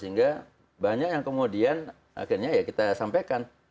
sehingga banyak yang kemudian akhirnya ya kita sampaikan